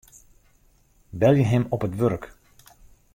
Belje him op it wurk.